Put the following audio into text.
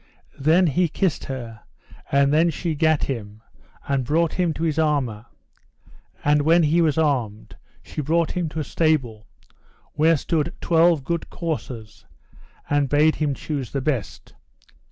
Then he kissed her, and then she gat him, and brought him to his armour. And when he was armed, she brought him to a stable, where stood twelve good coursers, and bade him choose the best.